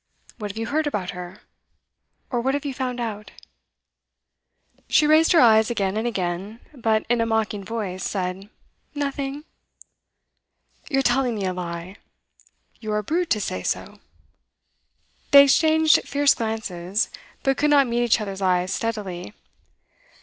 What have you heard about her? Or what have you found out?' She raised her eyes again and again, but in a mocking voice said, 'Nothing.' 'You're telling me a lie.' 'You're a brute to say so!' They exchanged fierce glances, but could not meet each other's eyes steadily.